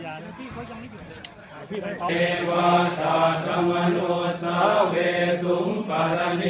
แล้วก็ผมนะครับตามไปก้นแล้วอ่าทางวัดก็ได้ให้ความร่วมมือ